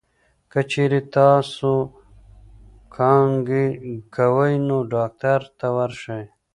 که چېرې تاسو کانګې کوئ، نو ډاکټر ته ورشئ.